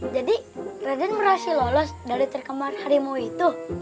jadi raden berhasil lolos dari terkemar harimau itu